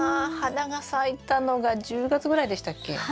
花が咲いたのが１０月ぐらいでしたっけ？